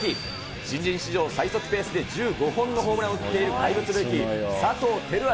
新人史上最速ペースで１５本のホームランを打っている怪物ルーキー、佐藤輝明